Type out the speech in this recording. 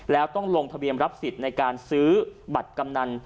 แล้วต้องลงทะเบียนรับสิทธิ์ในการซื้อบัตรกำนัน